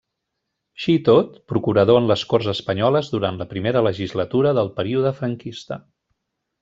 Així i tot, procurador en les Corts Espanyoles durant la primera legislatura del període franquista.